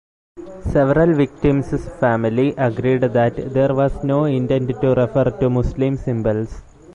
Several victims' families agreed that there was no intent to refer to Muslim symbols.